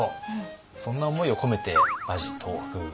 そんな思いを込めて馬耳豆腐。